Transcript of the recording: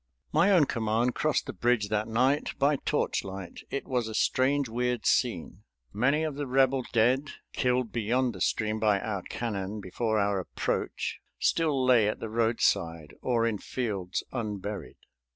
My own command crossed the bridge that night by torchlight. It was a strange weird scene. Many of the Rebel dead killed beyond the stream by our cannon before our approach still lay at the roadside or in fields unburied.